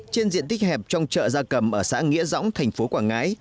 trên diện tích hẹp trong chợ gia cầm ở xã nghĩa dõng thành phố quảng ngãi